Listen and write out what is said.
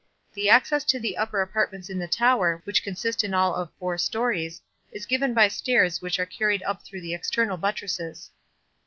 The access to the upper apartments in the tower which consist in all of four stories, is given by stairs which are carried up through the external buttresses.